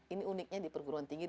ini uniknya di perguruan tinggi